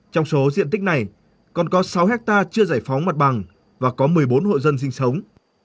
trong số diện tích này còn có sáu hectare chưa giải phóng mặt bằng và có một mươi bốn hộ dân sinh sống